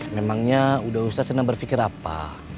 memangnya udah usah senang berpikir apa